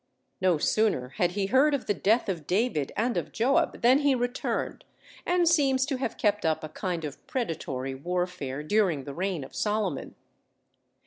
No sooner had he heard of the death of David and of Joab than he returned, and seems to have kept up a kind of predatory warfare during the reign of Solomon.